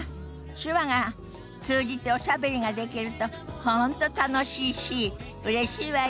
手話が通じておしゃべりができると本当楽しいしうれしいわよね。